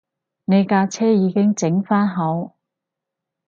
你架車已經整番好